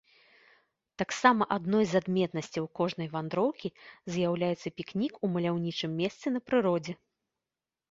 Таксама адной з адметнасцяў кожнай вандроўкі з'яўляецца пікнік у маляўнічым месцы на прыродзе.